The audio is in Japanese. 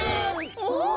お。